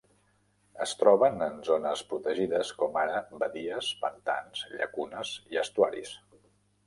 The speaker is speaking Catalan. Es troben en zones protegides com ara badies, pantans, llacunes i estuaris.